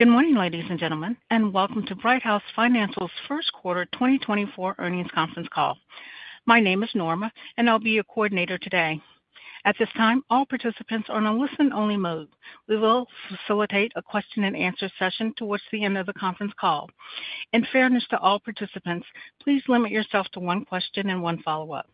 Good morning, ladies and gentlemen, and welcome to Brighthouse Financial's First Quarter 2024 Earnings Conference Call. My name is Norma, and I'll be your coordinator today. At this time, all participants are in a listen-only mode. We will facilitate a question-and-answer session towards the end of the conference call. In fairness to all participants, please limit yourself to one question and one follow-up.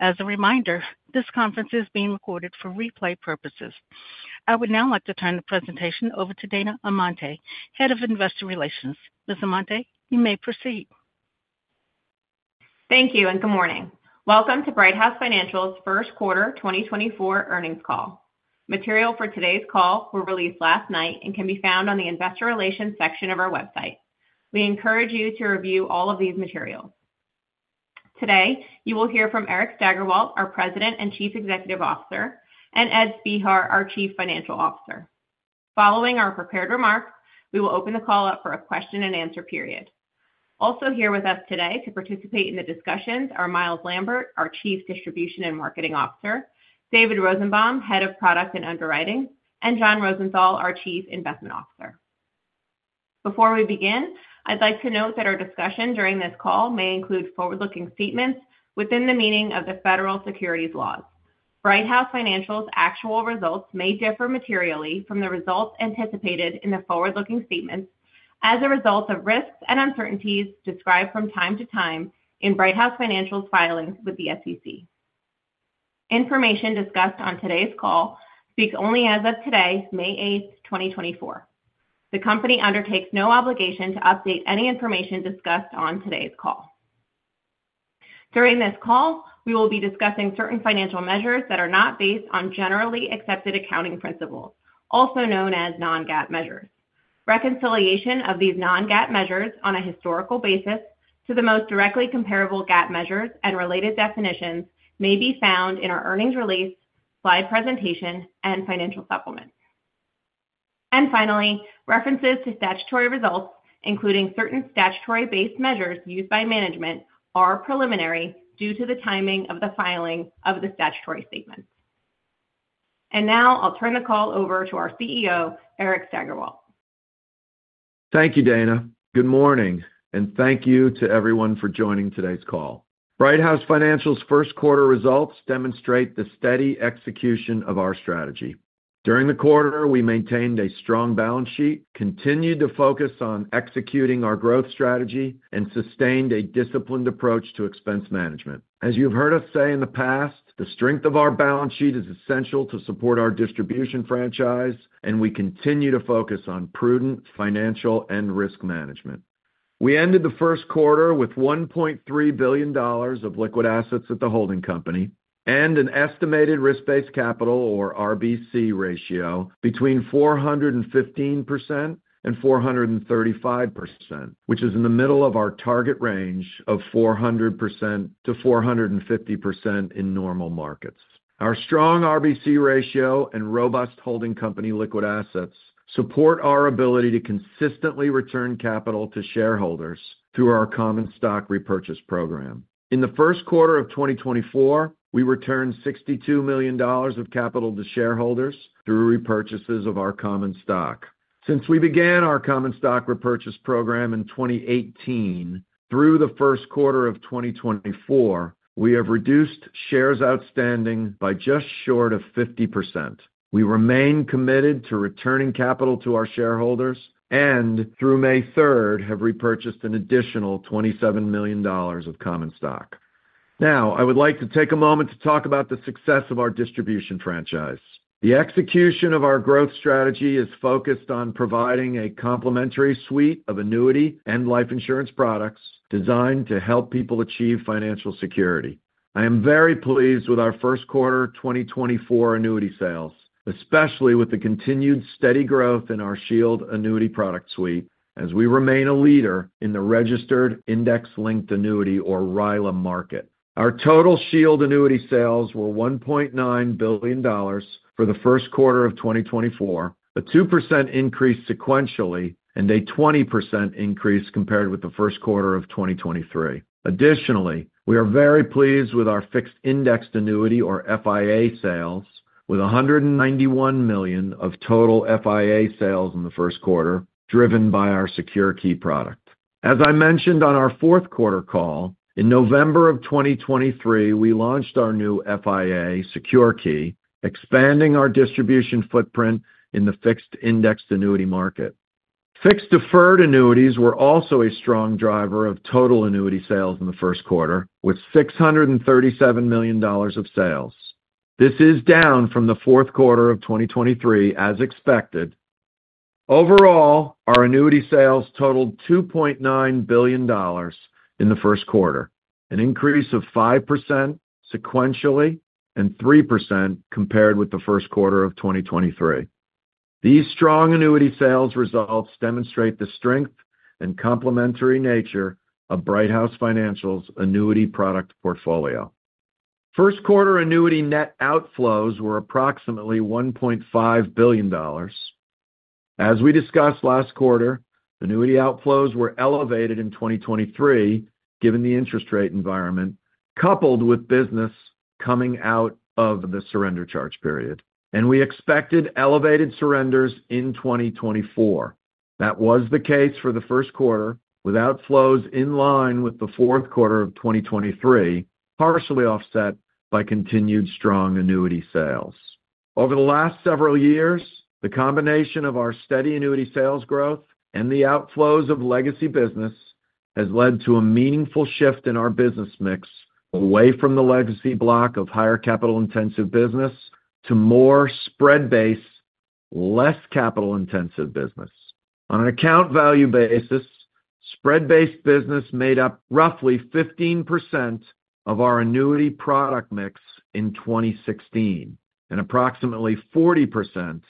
As a reminder, this conference is being recorded for replay purposes. I would now like to turn the presentation over to Dana Amante, Head of Investor Relations. Ms. Amante, you may proceed. Thank you, and good morning. Welcome to Brighthouse Financial's First Quarter 2024 Earnings Call. Material for today's call were released last night and can be found on the investor relations section of our website. We encourage you to review all of these materials. Today, you will hear from Eric Steigerwalt, our President and Chief Executive Officer, and Ed Spehar, our Chief Financial Officer. Following our prepared remarks, we will open the call up for a question-and-answer period. Also here with us today to participate in the discussions are Myles Lambert, our Chief Distribution and Marketing Officer, David Rosenbaum, Head of Product and Underwriting, and John Rosenthal, our Chief Investment Officer. Before we begin, I'd like to note that our discussion during this call may include forward-looking statements within the meaning of the federal securities laws. Brighthouse Financial's actual results may differ materially from the results anticipated in the forward-looking statements as a result of risks and uncertainties described from time to time in Brighthouse Financial's filings with the SEC. Information discussed on today's call speaks only as of today, May 8, 2024. The company undertakes no obligation to update any information discussed on today's call. During this call, we will be discussing certain financial measures that are not based on generally accepted accounting principles, also known as non-GAAP measures. Reconciliation of these non-GAAP measures on a historical basis to the most directly comparable GAAP measures and related definitions may be found in our earnings release, slide presentation, and financial supplements. Finally, references to statutory results, including certain statutory-based measures used by management, are preliminary due to the timing of the filing of the statutory statements. Now I'll turn the call over to our CEO, Eric Steigerwalt. Thank you, Dana. Good morning, and thank you to everyone for joining today's call. Brighthouse Financial's first quarter results demonstrate the steady execution of our strategy. During the quarter, we maintained a strong balance sheet, continued to focus on executing our growth strategy, and sustained a disciplined approach to expense management. As you've heard us say in the past, the strength of our balance sheet is essential to support our distribution franchise, and we continue to focus on prudent financial and risk management. We ended the first quarter with $1.3 billion of liquid assets at the holding company and an estimated risk-based capital, or RBC, ratio between 415% and 435%, which is in the middle of our target range of 400%-450% in normal markets. Our strong RBC ratio and robust holding company liquid assets support our ability to consistently return capital to shareholders through our common stock repurchase program. In the first quarter of 2024, we returned $62 million of capital to shareholders through repurchases of our common stock. Since we began our common stock repurchase program in 2018, through the first quarter of 2024, we have reduced shares outstanding by just short of 50%. We remain committed to returning capital to our shareholders and, through May 3rd, have repurchased an additional $27 million of common stock. Now, I would like to take a moment to talk about the success of our distribution franchise. The execution of our growth strategy is focused on providing a complementary suite of annuity and life insurance products designed to help people achieve financial security. I am very pleased with our first quarter 2024 annuity sales, especially with the continued steady growth in our Shield annuity product suite as we remain a leader in the registered index-linked annuity, or RILA, market. Our total Shield annuity sales were $1.9 billion for the first quarter of 2024, a 2% increase sequentially, and a 20% increase compared with the first quarter of 2023. Additionally, we are very pleased with our fixed indexed annuity, or FIA, sales, with $191 million of total FIA sales in the first quarter driven by our SecureKey product. As I mentioned on our fourth quarter call, in November of 2023, we launched our new FIA, SecureKey, expanding our distribution footprint in the fixed indexed annuity market. Fixed deferred annuities were also a strong driver of total annuity sales in the first quarter, with $637 million of sales. This is down from the fourth quarter of 2023 as expected. Overall, our annuity sales totaled $2.9 billion in the first quarter, an increase of 5% sequentially and 3% compared with the first quarter of 2023. These strong annuity sales results demonstrate the strength and complementary nature of Brighthouse Financial's annuity product portfolio. First quarter annuity net outflows were approximately $1.5 billion. As we discussed last quarter, annuity outflows were elevated in 2023 given the interest rate environment, coupled with business coming out of the surrender charge period. We expected elevated surrenders in 2024. That was the case for the first quarter with outflows in line with the fourth quarter of 2023, partially offset by continued strong annuity sales. Over the last several years, the combination of our steady annuity sales growth and the outflows of legacy business has led to a meaningful shift in our business mix away from the legacy block of higher capital-intensive business to more spread-based, less capital-intensive business. On an account value basis, spread-based business made up roughly 15% of our annuity product mix in 2016 and approximately 40%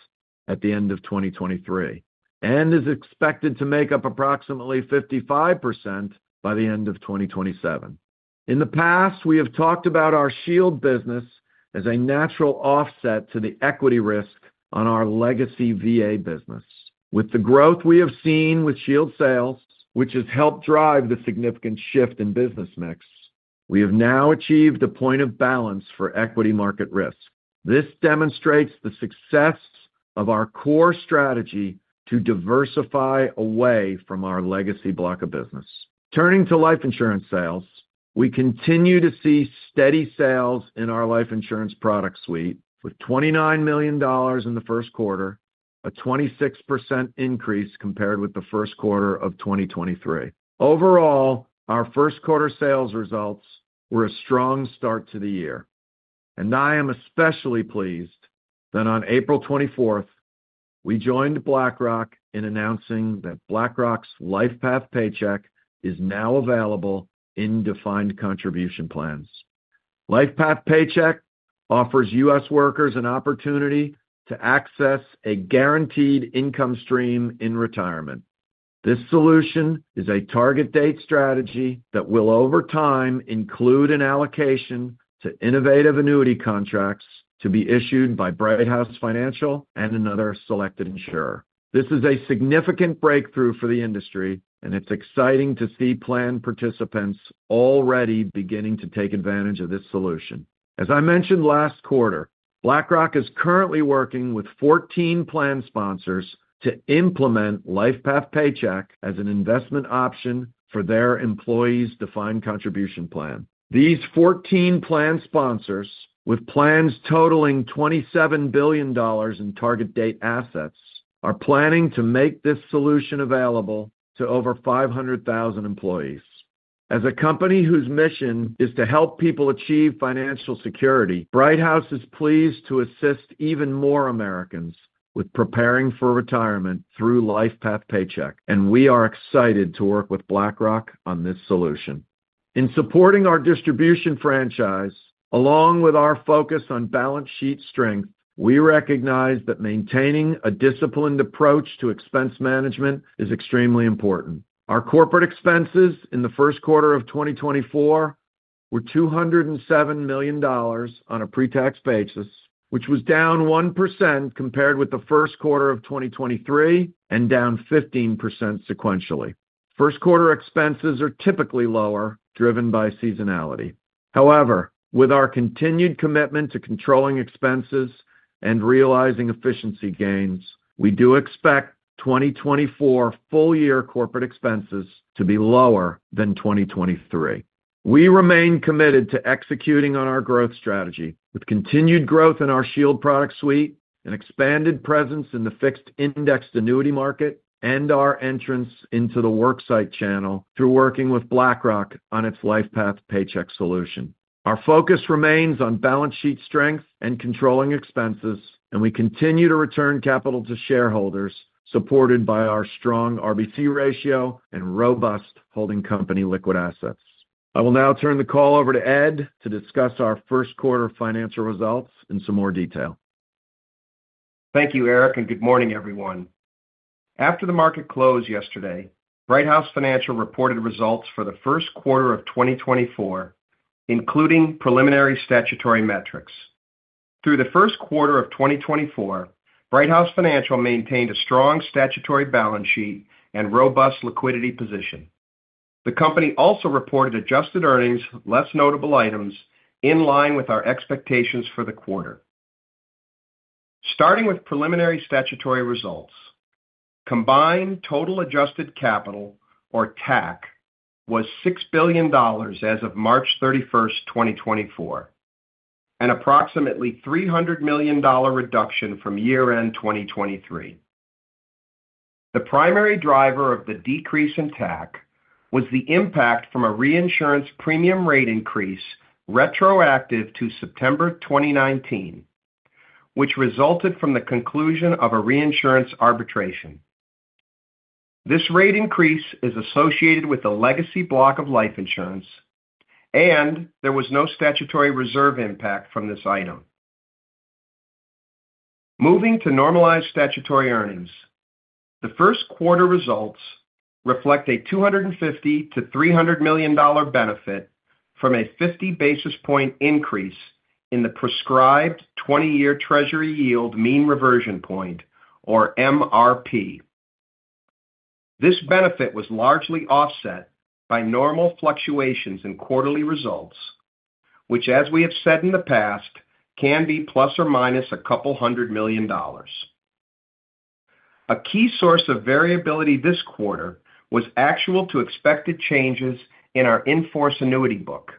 at the end of 2023 and is expected to make up approximately 55% by the end of 2027. In the past, we have talked about our Shield business as a natural offset to the equity risk on our legacy VA business. With the growth we have seen with Shield sales, which has helped drive the significant shift in business mix, we have now achieved a point of balance for equity market risk. This demonstrates the success of our core strategy to diversify away from our legacy block of business. Turning to life insurance sales, we continue to see steady sales in our life insurance product suite with $29 million in the first quarter, a 26% increase compared with the first quarter of 2023. Overall, our first quarter sales results were a strong start to the year. I am especially pleased that on April 24th, we joined BlackRock in announcing that BlackRock's LifePath Paycheck is now available in defined contribution plans. LifePath Paycheck offers U.S. workers an opportunity to access a guaranteed income stream in retirement. This solution is a target-date strategy that will, over time, include an allocation to innovative annuity contracts to be issued by Brighthouse Financial and another selected insurer. This is a significant breakthrough for the industry, and it's exciting to see plan participants already beginning to take advantage of this solution. As I mentioned last quarter, BlackRock is currently working with 14 plan sponsors to implement LifePath Paycheck as an investment option for their employees' Defined Contribution Plan. These 14 plan sponsors, with plans totaling $27 billion in target-date assets, are planning to make this solution available to over 500,000 employees. As a company whose mission is to help people achieve financial security, Brighthouse is pleased to assist even more Americans with preparing for retirement through LifePath Paycheck, and we are excited to work with BlackRock on this solution. In supporting our distribution franchise, along with our focus on balance sheet strength, we recognize that maintaining a disciplined approach to expense management is extremely important. Our corporate expenses in the first quarter of 2024 were $207 million on a pretax basis, which was down 1% compared with the first quarter of 2023 and down 15% sequentially. First quarter expenses are typically lower, driven by seasonality. However, with our continued commitment to controlling expenses and realizing efficiency gains, we do expect 2024 full-year corporate expenses to be lower than 2023. We remain committed to executing on our growth strategy, with continued growth in our Shield product suite, an expanded presence in the fixed indexed annuity market, and our entrance into the worksite channel through working with BlackRock on its LifePath Paycheck solution. Our focus remains on balance sheet strength and controlling expenses, and we continue to return capital to shareholders, supported by our strong RBC ratio and robust holding company liquid assets. I will now turn the call over to Ed to discuss our first quarter financial results in some more detail. Thank you, Eric, and good morning, everyone. After the market closed yesterday, Brighthouse Financial reported results for the first quarter of 2024, including preliminary statutory metrics. Through the first quarter of 2024, Brighthouse Financial maintained a strong statutory balance sheet and robust liquidity position. The company also reported adjusted earnings, less notable items, in line with our expectations for the quarter. Starting with preliminary statutory results, combined total adjusted capital, or TAC, was $6 billion as of March 31, 2024, an approximately $300 million reduction from year-end 2023. The primary driver of the decrease in TAC was the impact from a reinsurance premium rate increase retroactive to September 2019, which resulted from the conclusion of a reinsurance arbitration. This rate increase is associated with the legacy block of life insurance, and there was no statutory reserve impact from this item. Moving to normalized statutory earnings, the first quarter results reflect a $250-$300 million benefit from a 50 basis point increase in the prescribed 20-year Treasury Yield Mean Reversion Point, or MRP. This benefit was largely offset by normal fluctuations in quarterly results, which, as we have said in the past, can be ± a couple hundred million dollars. A key source of variability this quarter was actual-to-expected changes in our in-force annuity book.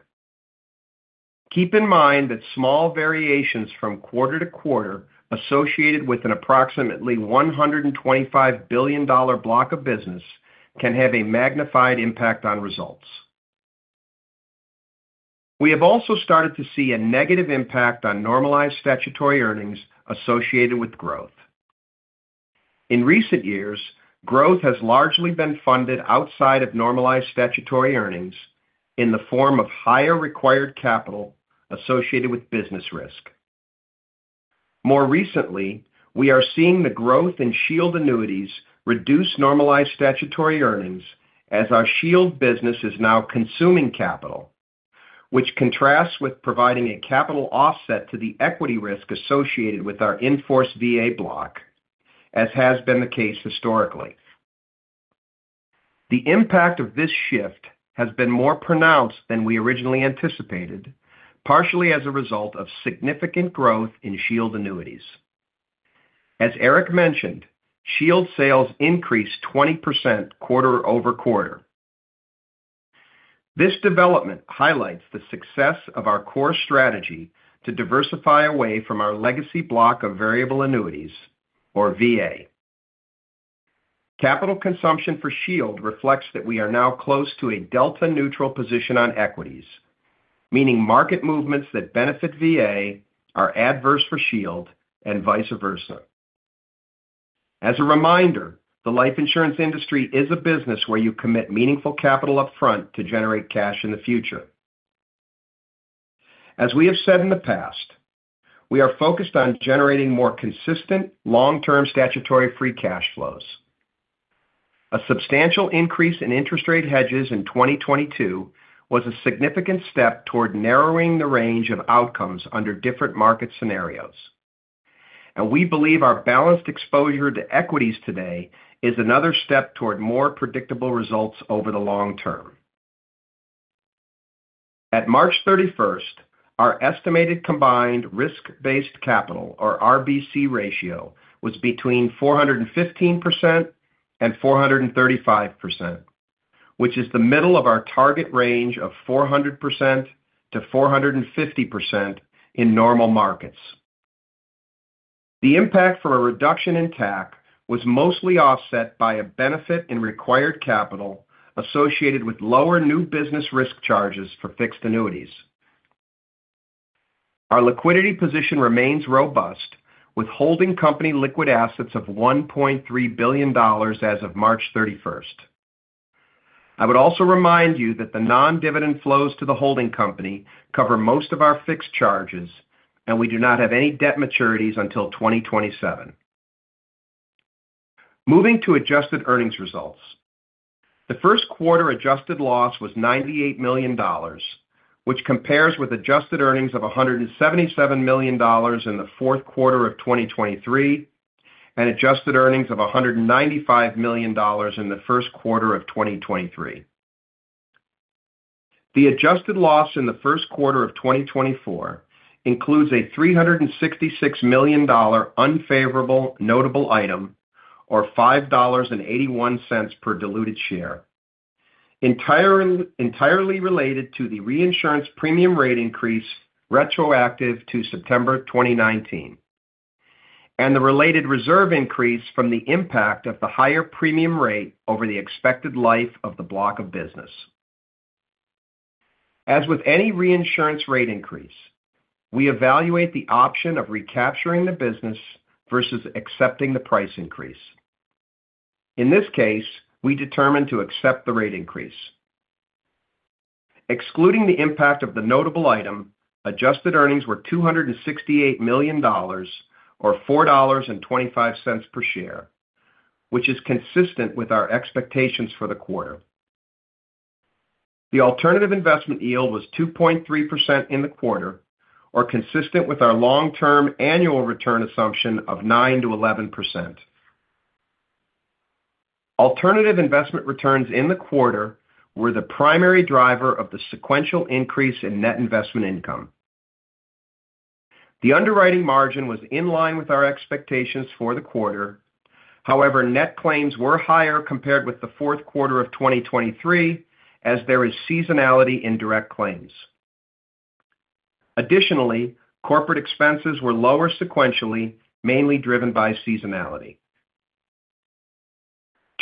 Keep in mind that small variations from quarter-to-quarter associated with an approximately $125 billion block of business can have a magnified impact on results. We have also started to see a negative impact on normalized statutory earnings associated with growth. In recent years, growth has largely been funded outside of normalized statutory earnings in the form of higher required capital associated with business risk. More recently, we are seeing the growth in Shield annuities reduce normalized statutory earnings as our Shield business is now consuming capital, which contrasts with providing a capital offset to the equity risk associated with our in-force VA block, as has been the case historically. The impact of this shift has been more pronounced than we originally anticipated, partially as a result of significant growth in Shield annuities. As Eric mentioned, Shield sales increased 20% quarter-over-quarter. This development highlights the success of our core strategy to diversify away from our legacy block of variable annuities, or VA. Capital consumption for Shield reflects that we are now close to a delta-neutral position on equities, meaning market movements that benefit VA are adverse for Shield and vice versa. As a reminder, the life insurance industry is a business where you commit meaningful capital upfront to generate cash in the future. As we have said in the past, we are focused on generating more consistent, long-term statutory free cash flows. A substantial increase in interest rate hedges in 2022 was a significant step toward narrowing the range of outcomes under different market scenarios. We believe our balanced exposure to equities today is another step toward more predictable results over the long term. At March 31st, our estimated combined risk-based capital, or RBC ratio, was between 415% and 435%, which is the middle of our target range of 400%-450% in normal markets. The impact from a reduction in TAC was mostly offset by a benefit in required capital associated with lower new business risk charges for fixed annuities. Our liquidity position remains robust, with holding company liquid assets of $1.3 billion as of March 31st. I would also remind you that the non-dividend flows to the holding company cover most of our fixed charges, and we do not have any debt maturities until 2027. Moving to adjusted earnings results. The first quarter adjusted loss was $98 million, which compares with adjusted earnings of $177 million in the fourth quarter of 2023 and adjusted earnings of $195 million in the first quarter of 2023. The adjusted loss in the first quarter of 2024 includes a $366 million unfavorable notable item, or $5.81 per diluted share, entirely related to the reinsurance premium rate increase retroactive to September 2019 and the related reserve increase from the impact of the higher premium rate over the expected life of the block of business. As with any reinsurance rate increase, we evaluate the option of recapturing the business versus accepting the price increase. In this case, we determined to accept the rate increase. Excluding the impact of the notable item, adjusted earnings were $268 million, or $4.25 per share, which is consistent with our expectations for the quarter. The alternative investment yield was 2.3% in the quarter, or consistent with our long-term annual return assumption of 9%-11%. Alternative investment returns in the quarter were the primary driver of the sequential increase in net investment income. The underwriting margin was in line with our expectations for the quarter. However, net claims were higher compared with the fourth quarter of 2023, as there is seasonality in direct claims. Additionally, corporate expenses were lower sequentially, mainly driven by seasonality.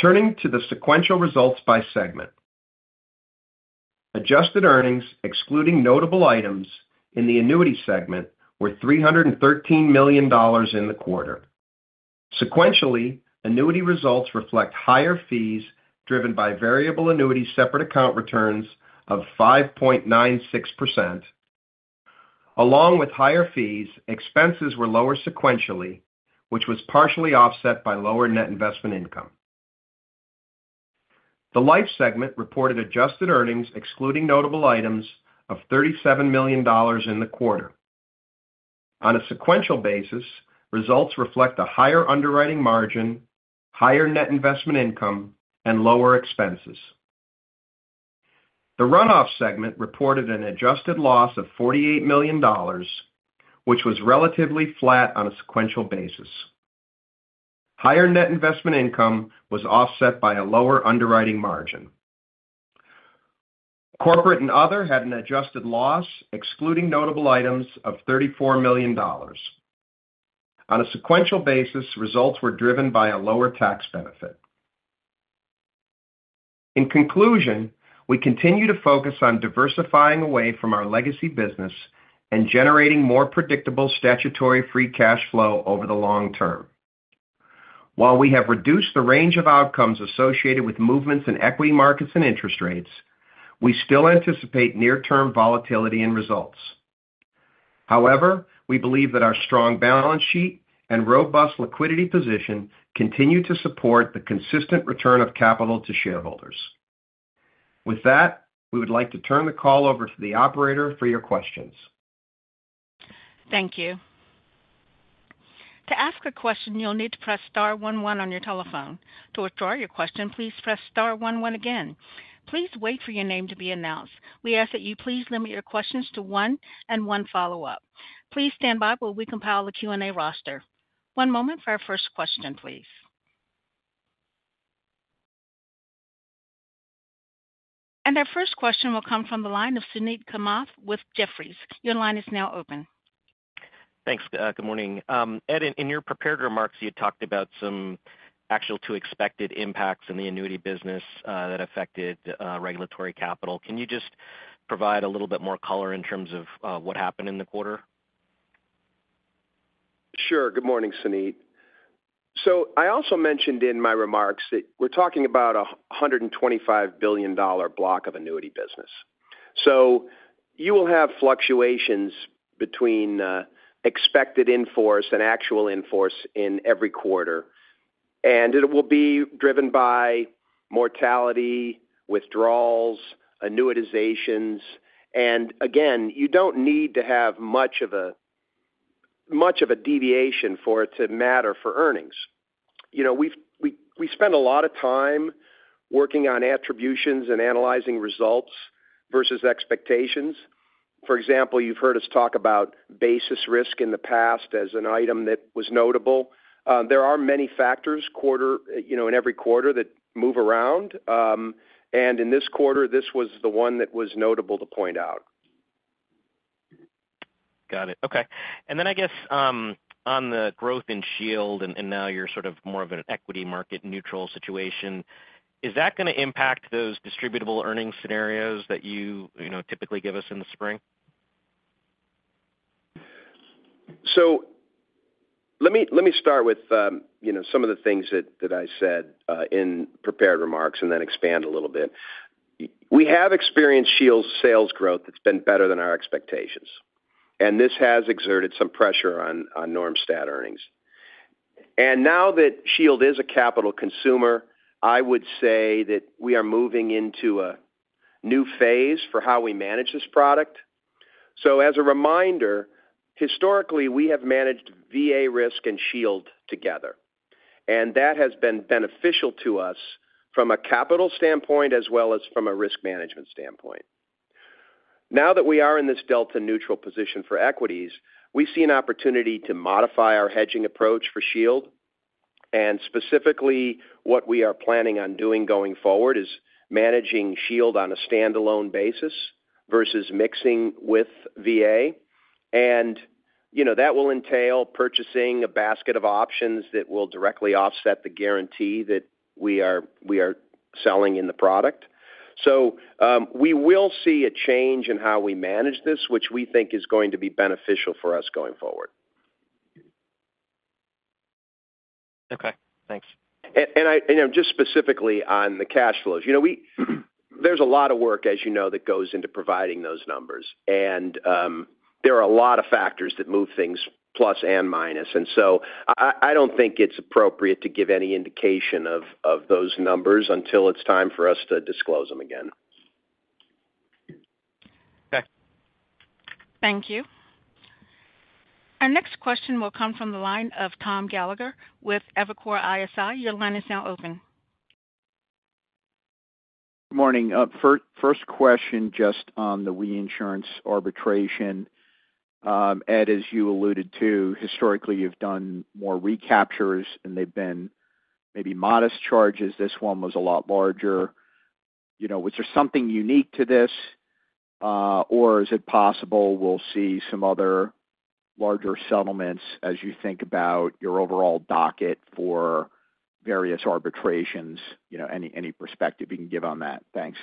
Turning to the sequential results by segment. Adjusted earnings, excluding notable items, in the annuity segment were $313 million in the quarter. Sequentially, annuity results reflect higher fees driven by variable annuity separate account returns of 5.96%. Along with higher fees, expenses were lower sequentially, which was partially offset by lower net investment income. The life segment reported adjusted earnings, excluding notable items, of $37 million in the quarter. On a sequential basis, results reflect a higher underwriting margin, higher net investment income, and lower expenses. The runoff segment reported an adjusted loss of $48 million, which was relatively flat on a sequential basis. Higher net investment income was offset by a lower underwriting margin. Corporate and other had an adjusted loss, excluding notable items, of $34 million. On a sequential basis, results were driven by a lower tax benefit. In conclusion, we continue to focus on diversifying away from our legacy business and generating more predictable statutory free cash flow over the long term. While we have reduced the range of outcomes associated with movements in equity markets and interest rates, we still anticipate near-term volatility in results. However, we believe that our strong balance sheet and robust liquidity position continue to support the consistent return of capital to shareholders. With that, we would like to turn the call over to the operator for your questions. Thank you. To ask a question, you'll need to press star one one on your telephone. To withdraw your question, please press star one one again. Please wait for your name to be announced. We ask that you please limit your questions to one and one follow-up. Please stand by while we compile the Q&A roster. One moment for our first question, please. Our first question will come from the line of Suneet Kamath with Jefferies. Your line is now open. Thanks. Good morning. Ed, in your prepared remarks, you had talked about some actual-to-expected impacts in the annuity business that affected regulatory capital. Can you just provide a little bit more color in terms of what happened in the quarter? Sure. Good morning, Suneet. So I also mentioned in my remarks that we're talking about a $125 billion block of annuity business. So you will have fluctuations between expected in-force and actual in-force in every quarter, and it will be driven by mortality, withdrawals, annuitizations. And again, you don't need to have much of a deviation for it to matter for earnings. We spend a lot of time working on attributions and analyzing results versus expectations. For example, you've heard us talk about basis risk in the past as an item that was notable. There are many factors in every quarter that move around, and in this quarter, this was the one that was notable to point out. Got it. Okay. And then I guess on the growth in Shield, and now you're sort of more of an equity market neutral situation, is that going to impact those distributable earnings scenarios that you typically give us in the spring? So let me start with some of the things that I said in prepared remarks and then expand a little bit. We have experienced Shield's sales growth that's been better than our expectations, and this has exerted some pressure on normalized earnings. Now that Shield is a capital consumer, I would say that we are moving into a new phase for how we manage this product. So as a reminder, historically, we have managed VA risk and Shield together, and that has been beneficial to us from a capital standpoint as well as from a risk management standpoint. Now that we are in this delta-neutral position for equities, we see an opportunity to modify our hedging approach for Shield. Specifically, what we are planning on doing going forward is managing Shield on a standalone basis versus mixing with VA, and that will entail purchasing a basket of options that will directly offset the guarantee that we are selling in the product. We will see a change in how we manage this, which we think is going to be beneficial for us going forward. Okay. Thanks. Just specifically on the cash flows, there's a lot of work, as you know, that goes into providing those numbers, and there are a lot of factors that move things plus and minus. So I don't think it's appropriate to give any indication of those numbers until it's time for us to disclose them again. Okay. Thank you. Our next question will come from the line of Tom Gallagher with Evercore ISI. Your line is now open. Good morning. First question just on the reinsurance arbitration. Ed, as you alluded to, historically, you've done more recaptures, and they've been maybe modest charges. This one was a lot larger. Was there something unique to this, or is it possible we'll see some other larger settlements as you think about your overall docket for various arbitrations? Any perspective you can give on that? Thanks.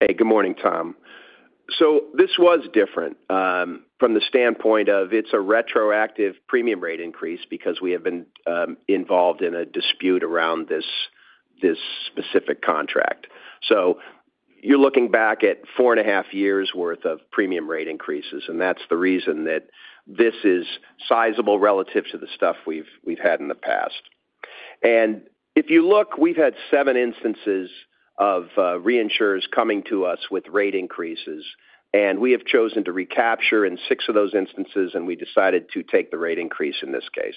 Hey, good morning, Tom. So this was different from the standpoint of it's a retroactive premium rate increase because we have been involved in a dispute around this specific contract. So you're looking back at 4.5 years' worth of premium rate increases, and that's the reason that this is sizable relative to the stuff we've had in the past. And if you look, we've had seven instances of reinsurers coming to us with rate increases, and we have chosen to recapture in six of those instances, and we decided to take the rate increase in this case.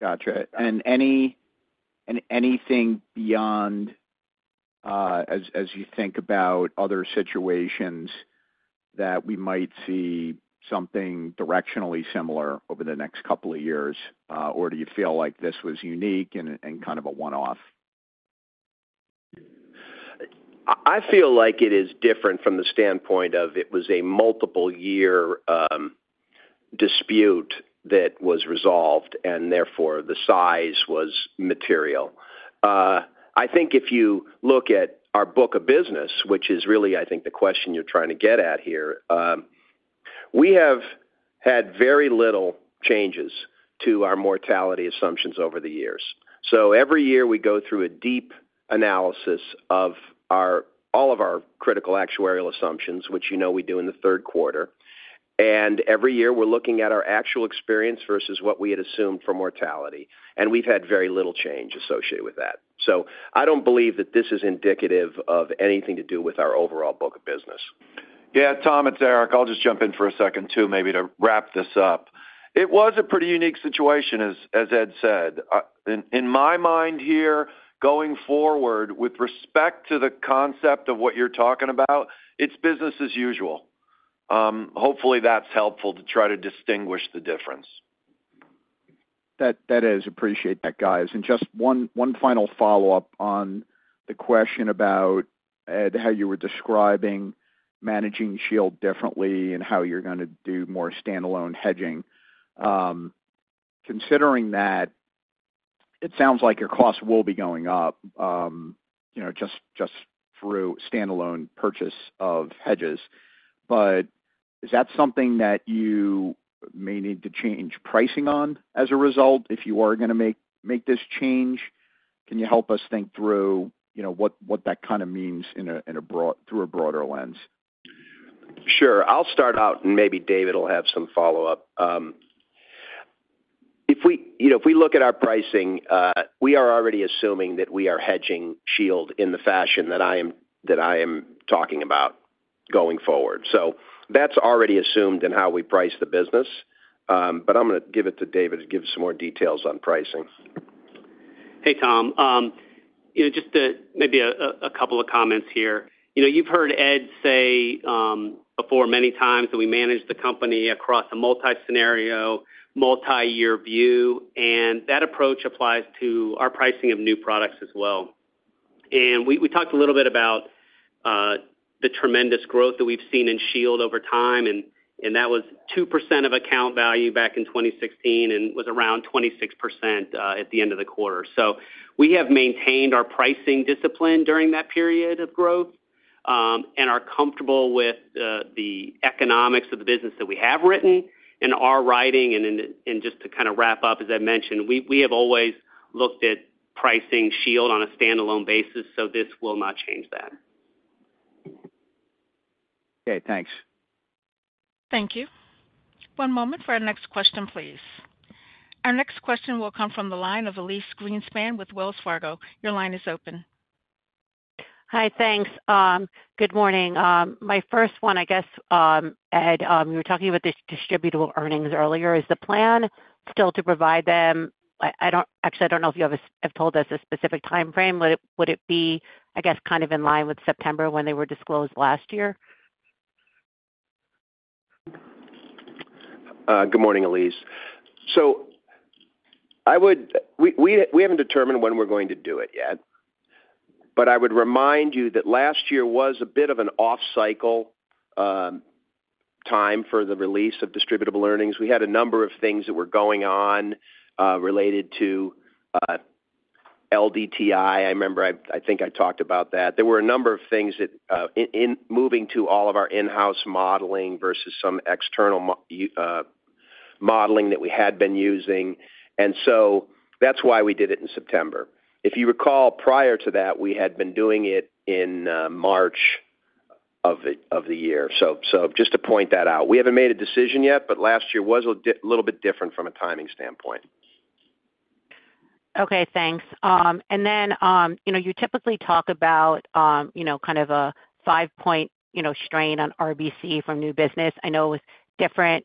Gotcha. Anything beyond, as you think about other situations, that we might see something directionally similar over the next couple of years, or do you feel like this was unique and kind of a one-off? I feel like it is different from the standpoint of it was a multiple-year dispute that was resolved, and therefore, the size was material. I think if you look at our book of business, which is really, I think, the question you're trying to get at here, we have had very little changes to our mortality assumptions over the years. So every year, we go through a deep analysis of all of our critical actuarial assumptions, which we do in the third quarter. And every year, we're looking at our actual experience versus what we had assumed for mortality, and we've had very little change associated with that. So I don't believe that this is indicative of anything to do with our overall book of business. Yeah, Tom, it's Eric. I'll just jump in for a second too, maybe to wrap this up. It was a pretty unique situation, as Ed said. In my mind here, going forward with respect to the concept of what you're talking about, it's business as usual. Hopefully, that's helpful to try to distinguish the difference. That is. Appreciate that, guys. Just one final follow-up on the question about how you were describing managing Shield differently and how you're going to do more standalone hedging. Considering that, it sounds like your costs will be going up just through standalone purchase of hedges. Is that something that you may need to change pricing on as a result if you are going to make this change? Can you help us think through what that kind of means through a broader lens? Sure. I'll start out, and maybe David will have some follow-up. If we look at our pricing, we are already assuming that we are hedging Shield in the fashion that I am talking about going forward. So that's already assumed in how we price the business, but I'm going to give it to David to give some more details on pricing. Hey, Tom. Just maybe a couple of comments here. You've heard Ed say before many times that we manage the company across a multi-scenario, multi-year view, and that approach applies to our pricing of new products as well. We talked a little bit about the tremendous growth that we've seen in Shield over time, and that was 2% of account value back in 2016 and was around 26% at the end of the quarter. We have maintained our pricing discipline during that period of growth and are comfortable with the economics of the business that we have written and our writing. Just to kind of wrap up, as Ed mentioned, we have always looked at pricing Shield on a standalone basis, so this will not change that. Okay. Thanks. Thank you. One moment for our next question, please. Our next question will come from the line of Elyse Greenspan with Wells Fargo. Your line is open. Hi. Thanks. Good morning. My first one, I guess, Ed, you were talking about the distributable earnings earlier. Is the plan still to provide them? Actually, I don't know if you have told us a specific timeframe. Would it be, I guess, kind of in line with September when they were disclosed last year? Good morning, Elyse. So we haven't determined when we're going to do it yet, but I would remind you that last year was a bit of an off-cycle time for the release of distributable earnings. We had a number of things that were going on related to LDTI. I think I talked about that. There were a number of things moving to all of our in-house modeling versus some external modeling that we had been using, and so that's why we did it in September. If you recall, prior to that, we had been doing it in March of the year. So just to point that out. We haven't made a decision yet, but last year was a little bit different from a timing standpoint. Okay. Thanks. And then you typically talk about kind of a five-point strain on RBC from new business. I know it was different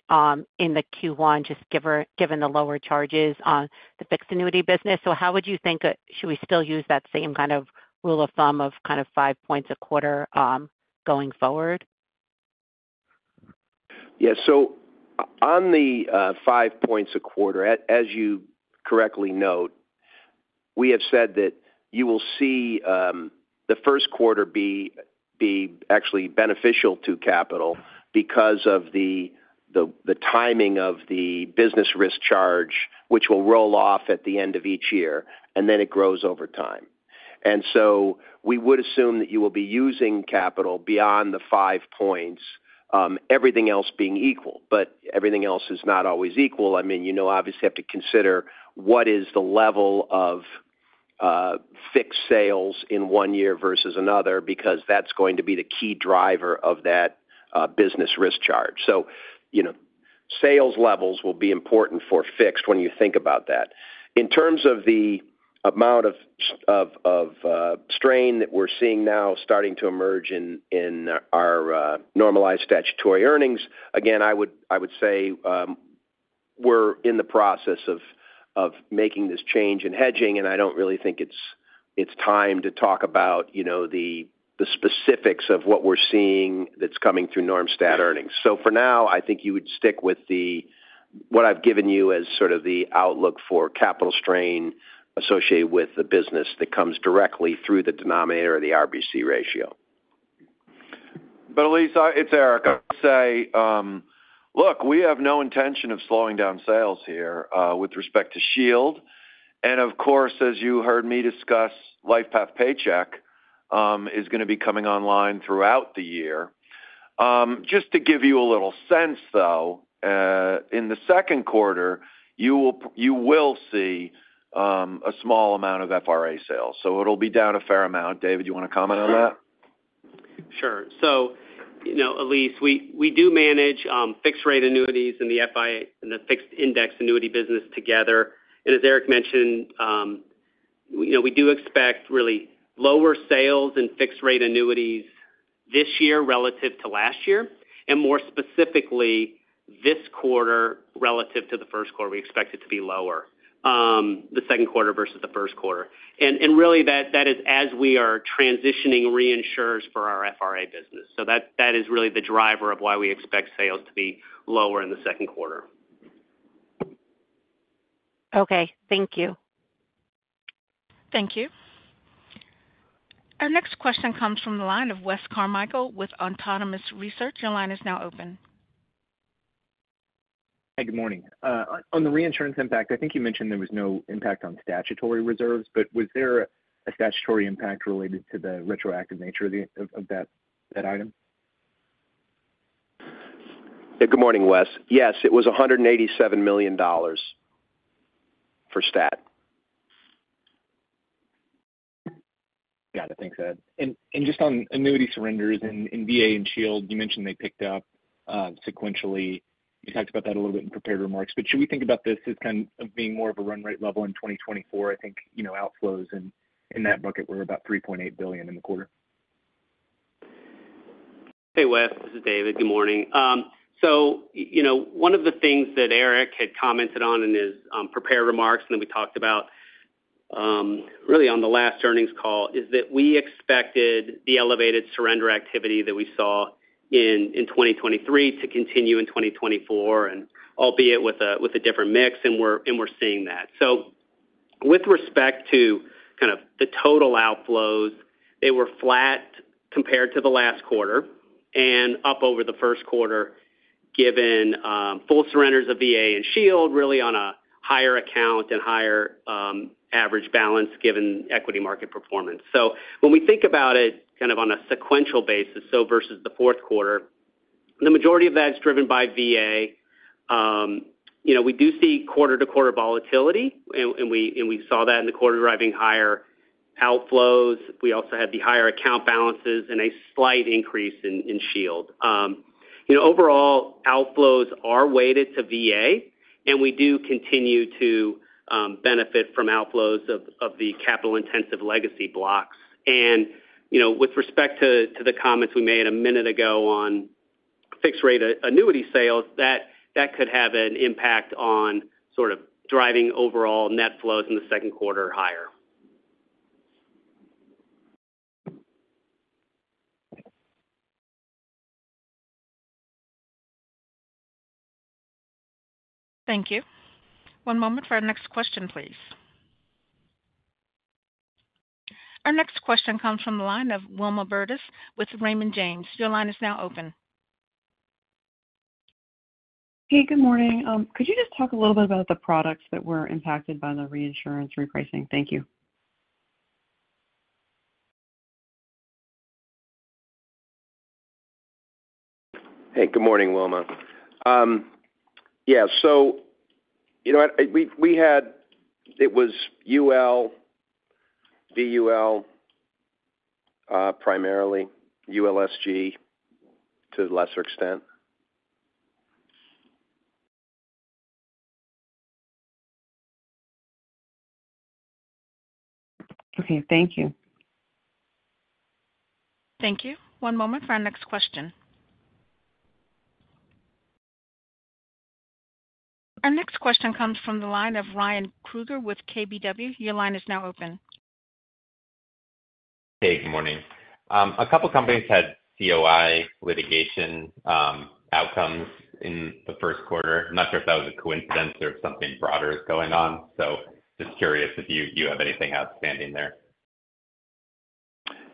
in the Q1, just given the lower charges on the fixed annuity business. So how would you think should we still use that same kind of rule of thumb of kind of five points a quarter going forward? Yeah. So on the five points a quarter, as you correctly note, we have said that you will see the first quarter be actually beneficial to capital because of the timing of the business risk charge, which will roll off at the end of each year, and then it grows over time. And so we would assume that you will be using capital beyond the five points, everything else being equal. But everything else is not always equal. I mean, you obviously have to consider what is the level of fixed sales in one year versus another because that's going to be the key driver of that business risk charge. So sales levels will be important for fixed when you think about that. In terms of the amount of strain that we're seeing now starting to emerge in our normalized statutory earnings, again, I would say we're in the process of making this change in hedging, and I don't really think it's time to talk about the specifics of what we're seeing that's coming through normalized earnings. So for now, I think you would stick with what I've given you as sort of the outlook for capital strain associated with the business that comes directly through the denominator of the RBC ratio. But Elyse, it's Eric. Saying, "Look, we have no intention of slowing down sales here with respect to Shield." And of course, as you heard me discuss, LifePath Paycheck is going to be coming online throughout the year. Just to give you a little sense, though, in the second quarter, you will see a small amount of FRA sales. So it'll be down a fair amount. David, do you want to comment on that? Sure. So Elyse, we do manage fixed-rate annuities and the fixed indexed annuity business together. And as Eric mentioned, we do expect really lower sales in fixed-rate annuities this year relative to last year and more specifically this quarter relative to the first quarter. We expect it to be lower, the second quarter versus the first quarter. And really, that is as we are transitioning reinsurers for our FRA business. So that is really the driver of why we expect sales to be lower in the second quarter. Okay. Thank you. Thank you. Our next question comes from the line of Wes Carmichael with Autonomous Research. Your line is now open. Hey, good morning. On the reinsurance impact, I think you mentioned there was no impact on Statutory Reserves, but was there a statutory impact related to the retroactive nature of that item? Yeah. Good morning, Wes. Yes, it was $187 million for stat. Got it. Thanks, Ed. And just on annuity surrenders in VA and Shield, you mentioned they picked up sequentially. You talked about that a little bit in prepared remarks. But should we think about this as kind of being more of a run-rate level in 2024? I think outflows in that bucket were about $3.8 billion in the quarter. Hey, Wes. This is David. Good morning. So one of the things that Eric had commented on in his prepared remarks, and then we talked about really on the last earnings call, is that we expected the elevated surrender activity that we saw in 2023 to continue in 2024, albeit with a different mix, and we're seeing that. So with respect to kind of the total outflows, they were flat compared to the last quarter and up over the first quarter given full surrenders of VA and Shield, really on a higher account and higher average balance given equity market performance. So when we think about it kind of on a sequential basis, so versus the fourth quarter, the majority of that is driven by VA. We do see quarter-to-quarter volatility, and we saw that in the quarter driving higher outflows. We also had the higher account balances and a slight increase in Shield. Overall, outflows are weighted to VA, and we do continue to benefit from outflows of the capital-intensive legacy blocks. And with respect to the comments we made a minute ago on fixed-rate annuity sales, that could have an impact on sort of driving overall net flows in the second quarter higher. Thank you. One moment for our next question, please. Our next question comes from the line of Wilma Burdis with Raymond James. Your line is now open. Hey, good morning. Could you just talk a little bit about the products that were impacted by the reinsurance repricing? Thank you. Hey, good morning, Wilma. Yeah. So we had UL, VUL primarily, ULSG to a lesser extent. Okay. Thank you. Thank you. One moment for our next question. Our next question comes from the line of Ryan Krueger with KBW. Your line is now open. Hey, good morning. A couple of companies had COI litigation outcomes in the first quarter. I'm not sure if that was a coincidence or if something broader is going on. So just curious if you have anything outstanding there.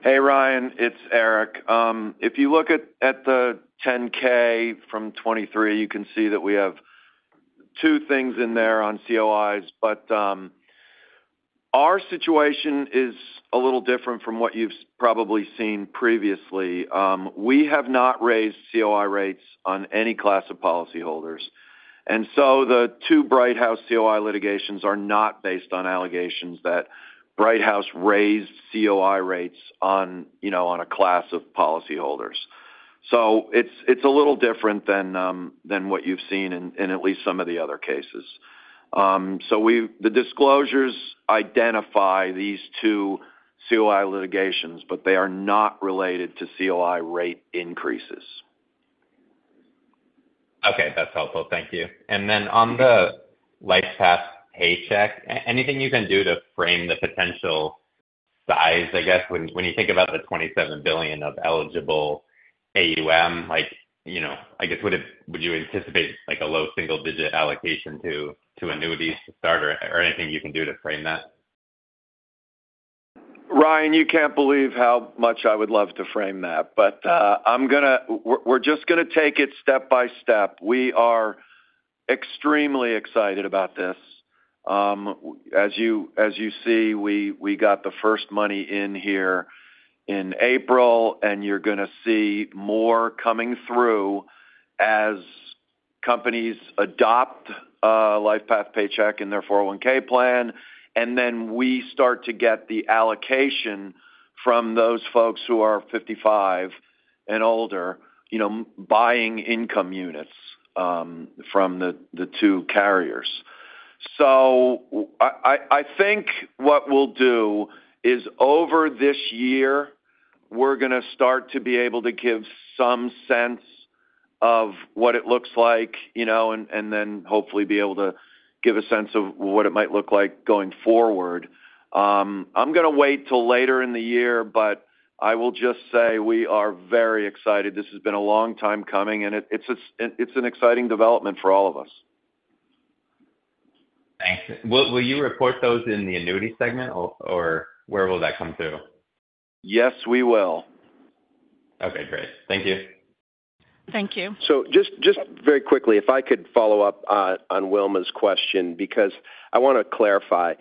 Hey, Ryan. It's Eric. If you look at the 10-K from 2023, you can see that we have two things in there on COIs. But our situation is a little different from what you've probably seen previously. We have not raised COI rates on any class of policyholders. And so the two Brighthouse COI litigations are not based on allegations that Brighthouse raised COI rates on a class of policyholders. So it's a little different than what you've seen in at least some of the other cases. So the disclosures identify these two COI litigations, but they are not related to COI rate increases. Okay. That's helpful. Thank you. And then on the LifePath Paycheck, anything you can do to frame the potential size, I guess, when you think about the $27 billion of eligible AUM, I guess, would you anticipate a low single-digit allocation to annuities to start, or anything you can do to frame that? Ryan, you can't believe how much I would love to frame that, but we're just going to take it step by step. We are extremely excited about this. As you see, we got the first money in here in April, and you're going to see more coming through as companies adopt LifePath Paycheck and their 401(k) plan. And then we start to get the allocation from those folks who are 55 and older buying income units from the two carriers. So I think what we'll do is over this year, we're going to start to be able to give some sense of what it looks like and then hopefully be able to give a sense of what it might look like going forward. I'm going to wait till later in the year, but I will just say we are very excited. This has been a long time coming, and it's an exciting development for all of us. Thanks. Will you report those in the annuity segment, or where will that come through? Yes, we will. Okay. Great. Thank you. Thank you. So just very quickly, if I could follow up on Wilma's question because I want to clarify.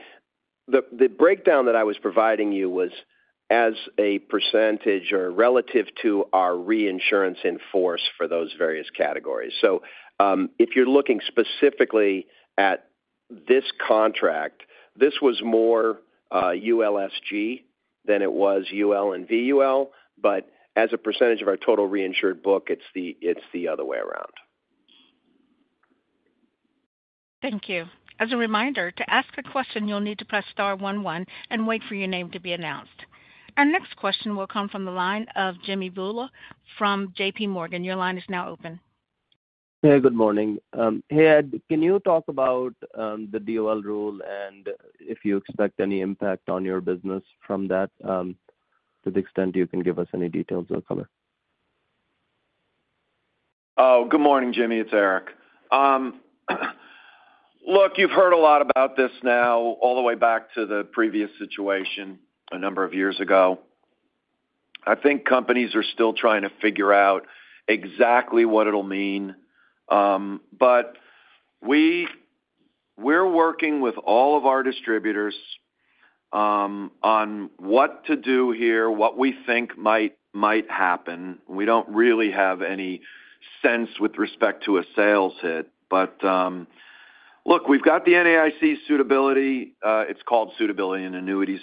The breakdown that I was providing you was as a percentage or relative to our reinsurance in force for those various categories. So if you're looking specifically at this contract, this was more ULSG than it was UL and VUL, but as a percentage of our total reinsured book, it's the other way around. Thank you. As a reminder, to ask a question, you'll need to press star one one and wait for your name to be announced. Our next question will come from the line of Jimmy Bhullar from JPMorgan. Your line is now open. Hey, good morning. Hey, Ed, can you talk about the DOL rule and if you expect any impact on your business from that to the extent you can give us any details or cover? Oh, good morning, Jimmy. It's Eric. Look, you've heard a lot about this now all the way back to the previous situation a number of years ago. I think companies are still trying to figure out exactly what it'll mean. But we're working with all of our distributors on what to do here, what we think might happen. We don't really have any sense with respect to a sales hit. But look, we've got the NAIC suitability. It's called Suitability in Annuity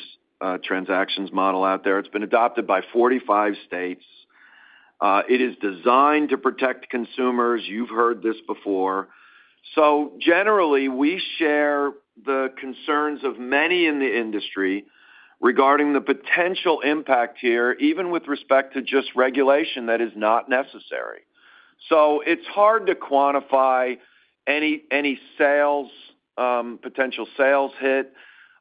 Transactions Model out there. It's been adopted by 45 states. It is designed to protect consumers. You've heard this before. So generally, we share the concerns of many in the industry regarding the potential impact here, even with respect to just regulation that is not necessary. So it's hard to quantify any potential sales hit.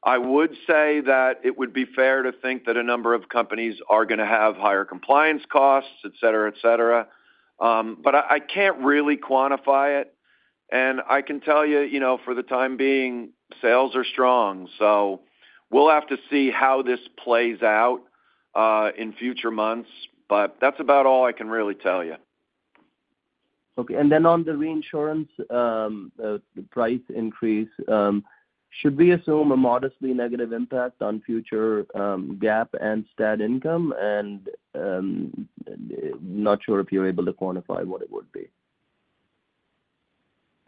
I would say that it would be fair to think that a number of companies are going to have higher compliance costs, etc., etc. But I can't really quantify it. I can tell you, for the time being, sales are strong. We'll have to see how this plays out in future months, but that's about all I can really tell you. Okay. And then on the reinsurance price increase, should we assume a modestly negative impact on future GAAP and stat income? And not sure if you're able to quantify what it would be.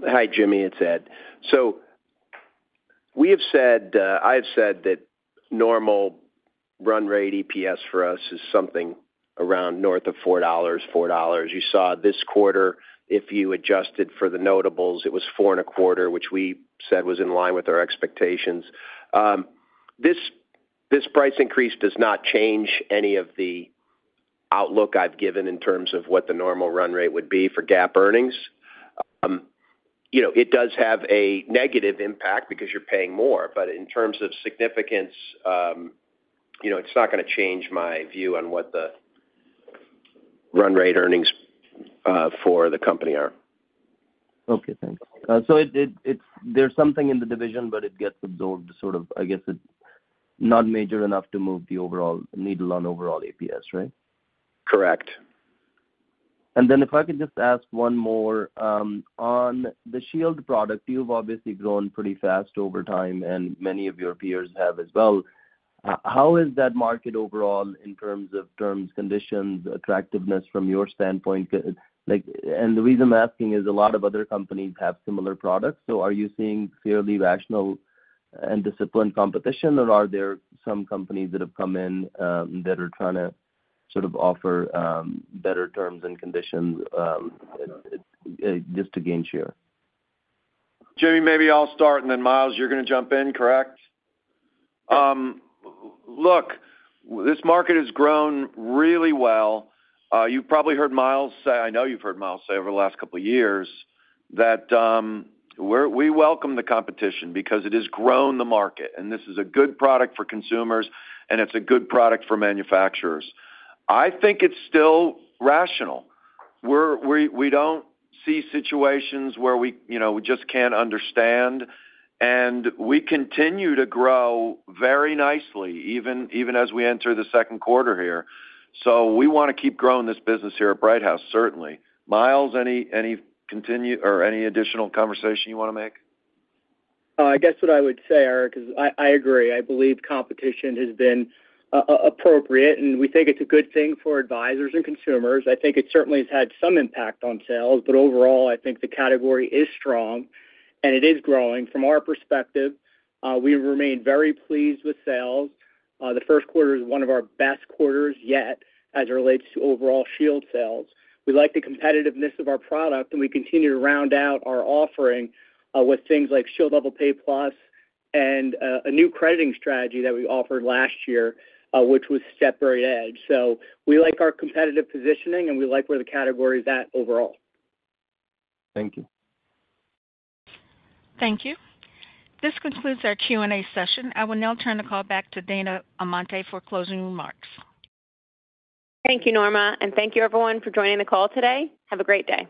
Hi, Jimmy. It's Ed. So I have said that normal run-rate EPS for us is something around north of $4. You saw this quarter, if you adjusted for the notables, it was 4.25, which we said was in line with our expectations. This price increase does not change any of the outlook I've given in terms of what the normal run-rate would be for GAAP earnings. It does have a negative impact because you're paying more, but in terms of significance, it's not going to change my view on what the run-rate earnings for the company are. Okay. Thanks. So there's something in the division, but it gets absorbed sort of, I guess, not major enough to move the needle on overall EPS, right? Correct. And then if I could just ask one more. On the Shield product, you've obviously grown pretty fast over time, and many of your peers have as well. How is that market overall in terms of terms, conditions, attractiveness from your standpoint? And the reason I'm asking is a lot of other companies have similar products. So are you seeing fairly rational and disciplined competition, or are there some companies that have come in that are trying to sort of offer better terms and conditions just to gain share? Jimmy, maybe I'll start, and then Myles, you're going to jump in, correct? Look, this market has grown really well. You've probably heard Myles say. I know you've heard Myles say over the last couple of years that we welcome the competition because it has grown the market, and this is a good product for consumers, and it's a good product for manufacturers. I think it's still rational. We don't see situations where we just can't understand, and we continue to grow very nicely even as we enter the second quarter here. So we want to keep growing this business here at Brighthouse, certainly. Myles, any additional conversation you want to make? I guess what I would say, Eric, is I agree. I believe competition has been appropriate, and we think it's a good thing for advisors and consumers. I think it certainly has had some impact on sales, but overall, I think the category is strong, and it is growing. From our perspective, we remain very pleased with sales. The first quarter is one of our best quarters yet as it relates to overall Shield sales. We like the competitiveness of our product, and we continue to round out our offering with things like Shield Level Pay Plus and a new crediting strategy that we offered last year, which was Step Rate Edge. So we like our competitive positioning, and we like where the category is at overall. Thank you. Thank you. This concludes our Q&A session. I will now turn the call back to Dana Amante for closing remarks. Thank you, Norma, and thank you, everyone, for joining the call today. Have a great day.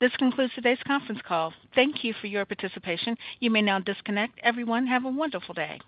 This concludes today's conference call. Thank you for your participation. You may now disconnect. Everyone, have a wonderful day.